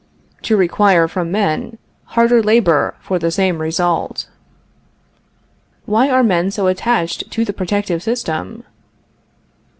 To require from men harder labor for the same result. Why are men so attached to the protective system?